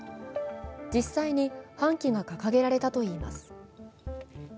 実際に半旗が掲げられたといいます。